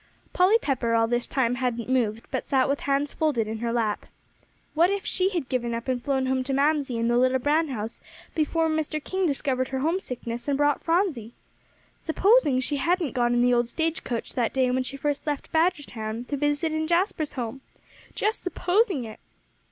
Polly Pepper, all this time, hadn't moved, but sat with hands folded in her lap. What if she had given up and flown home to Mamsie and the little brown house before Mr. King discovered her homesickness and brought Phronsie! Supposing she hadn't gone in the old stagecoach that day when she first left Badgertown to visit in Jasper's home! Just supposing it!